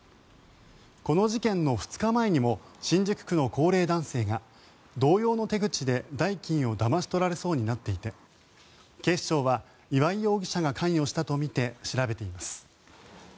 この事件の２日前にも新宿区の高齢男性が同様の手口で代金をだまし取られそうになっていて警視庁は岩井容疑者が関与したとみて調べています。